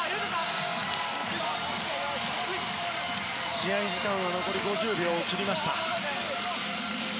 試合時間は残り５０秒を切っています。